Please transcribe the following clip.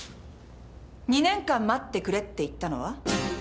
２年間待ってくれって言ったのは？